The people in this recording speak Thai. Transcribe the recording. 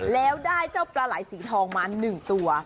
แล้วได้เจ้าปลาไหล่สีทองมา๑ตัว